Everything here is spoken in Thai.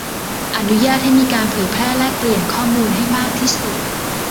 อนุญาตให้มีการเผยแพร่แลกเปลี่ยนข้อมูลให้มากที่สุด